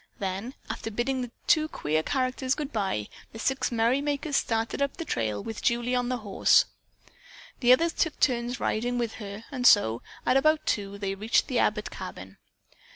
Then, after bidding the two queer characters goodbye, the six merrymakers started up the trail with Julie again on the horse. The other girls took turns riding with her and so, at about two, they reached the Abbott cabin.